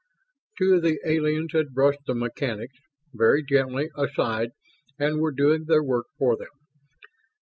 Two of the aliens had brushed the mechanics very gently aside and were doing their work for them.